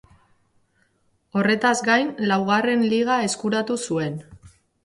Horretaz gain laugarren Liga eskuratu zuen.